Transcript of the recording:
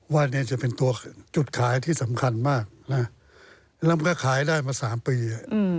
ว่าเนี่ยจะเป็นตัวจุดขายที่สำคัญมากนะแล้วมันก็ขายได้มา๓ปี